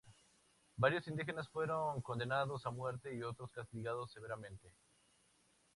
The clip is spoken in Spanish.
Varios indígenas fueron condenados a muerte y otros castigados severamente.